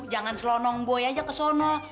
jangan selonong boy aja ke sana